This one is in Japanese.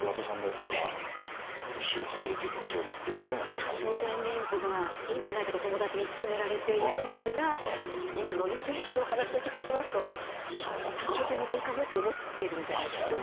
多焦点レンズがいいんじゃないかと友達にすすめられているんですが今のね先生のお話をお聞きしますと単焦点の方がいいかもって思ってるんじゃないですかね？